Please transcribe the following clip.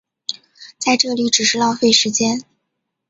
在这里只是浪费时间